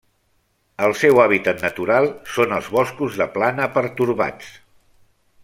El seu hàbitat natural són els boscos de plana pertorbats.